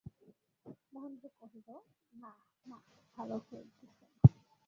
মহেন্দ্র কহিল, না মা, ভালো হইতেছে না।